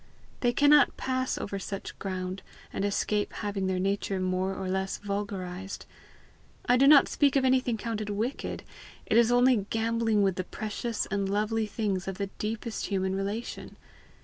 They cannot pass over such ground and escape having their nature more or less vulgarized. I do not speak of anything counted wicked; it is only gambling with the precious and lovely things of the deepest human relation!